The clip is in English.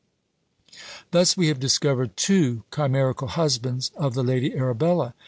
Thus we have discovered two chimerical husbands of the Lady Arabella.